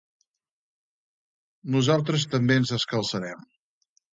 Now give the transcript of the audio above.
Nosaltres també ens descalçarem.